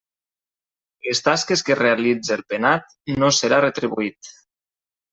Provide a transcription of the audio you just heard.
Les tasques que realitze el penat no serà retribuït.